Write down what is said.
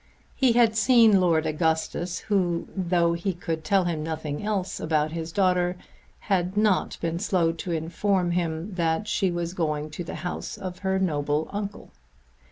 He had seen Lord Augustus who, though he could tell him nothing else about his daughter, had not been slow to inform him that she was going to the house of her noble uncle.